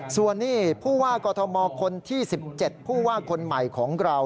ส่วนนี้ผู้ว่ากอทมคนที่๑๗ผู้ว่าคนใหม่ของเรา